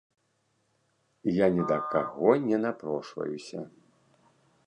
Я ні да каго не напрошваюся.